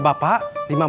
lima menit lagi